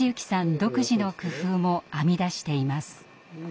独自の工夫も編み出しています。